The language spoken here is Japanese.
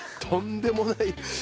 とんでもない。